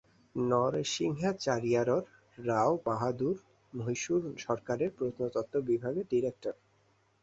নরসিংহাচারিয়ারর, রাও বাহাদুর মহীশূর সরকারের প্রত্নতত্ত্ব বিভাগের ডিরেক্টর।